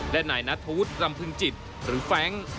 และนายนัทธวุฒิรำพึงจิตหรือแฟรงค์